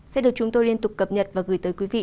sẽ được chúng tôi liên tục cập nhật và gửi tới quý vị